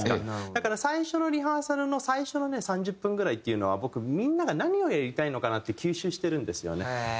だから最初のリハーサルの最初のね３０分ぐらいっていうのは僕みんなが何をやりたいのかなって吸収してるんですよね。